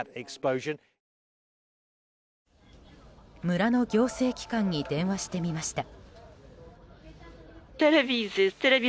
村の行政機関に電話してみました。